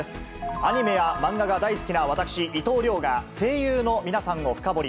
アニメや漫画が大好きな私、伊藤遼が、声優の皆さんを深掘り。